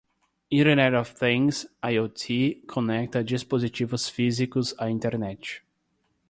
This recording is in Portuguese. Internet of Things (IoT) conecta dispositivos físicos à internet.